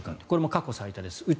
これも過去最多です。